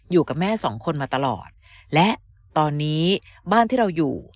อยู่กับแม่สองคนมาตลอดและตอนนี้บ้านที่เราอยู่